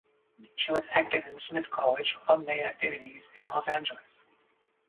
She was active in Smith College alumnae activities in Los Angeles.